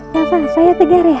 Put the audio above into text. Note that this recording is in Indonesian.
tidak apa apa ya tegar ya